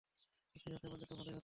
নিশ্চিত হতে পারলে তো ভালোই হত।